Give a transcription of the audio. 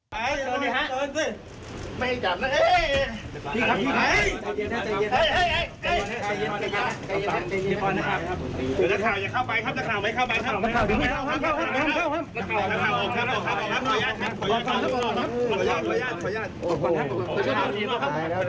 ประยาท